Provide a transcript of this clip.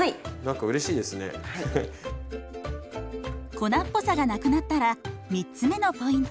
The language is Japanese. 粉っぽさがなくなったら３つ目のポイント。